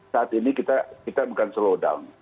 saat ini kita bukan slow down